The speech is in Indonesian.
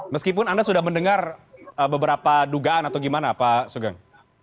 meskipun anda sudah mendengar beberapa dugaan atau gimana pak sugeng